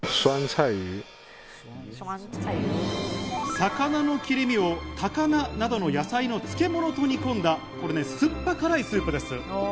魚の切り身を高菜などの野菜の漬物と煮込んだすっぱ辛いスープです。